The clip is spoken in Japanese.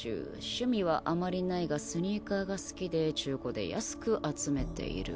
趣味はあまりないがスニーカーが好きで中古で安く集めている。